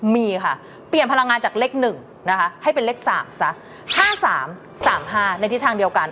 มีค่ะเปลี่ยนพลังงานจากเลข๑นะคะให้เป็นเลข๓ซะ๕๓๓๕ในทิศทางเดียวกัน